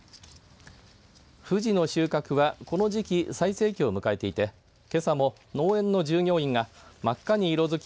ふじの収穫は、この時期最盛期を迎えていてけさも農園の従業員が真っ赤に色づき